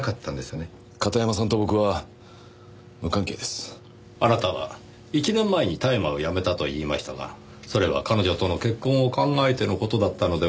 片山さんと僕は無関係です。あなたは１年前に大麻をやめたと言いましたがそれは彼女との結婚を考えての事だったのではありませんか？